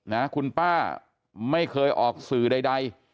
นะคุณป้าไม่เคยออกสื่อใด